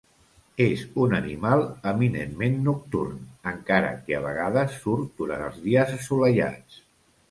És un animal eminentment nocturn, encara que a vegades surt durant els dies assolellats.